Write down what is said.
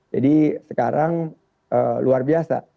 jadi sekarang luar biasa